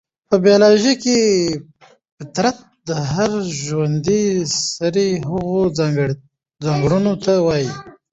په بيالوژي کې فطرت د هر ژوندي سري هغو ځانګړنو ته وايي،